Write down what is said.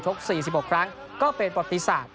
ชก๔๖ครั้งก็เป็นปฏิสัตว์